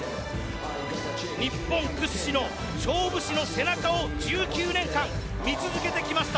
日本屈指の勝負師の背中を１９年間見続けてきました。